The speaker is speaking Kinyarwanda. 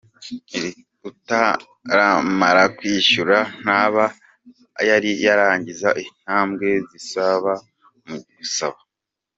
Utaramara kwishyura ntaba aba yari yarangiza intambwe zisaba mu gusaba.